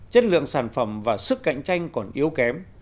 chất lượng sản phẩm và sức cạnh tranh còn yếu kém